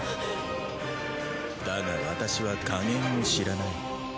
だが私は加減を知らない。